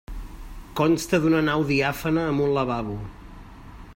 Consta d'una nau diàfana amb un lavabo.